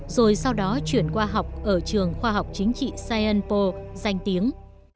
rồi sau đó chuyển qua học ở trường khoa học chính trị saint paul danh tiếng